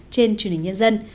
trên truyền hình nhân dân